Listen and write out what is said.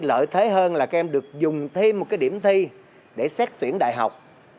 lợi thế hơn là các em được dùng thêm một cái điểm thi để xét tuyển đại học